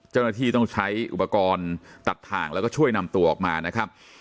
เจ้าหน้าที่ต้องใช้อุปกรณ์ตัดทางแล้วก็ช่วยนำตัวออกมานะครับ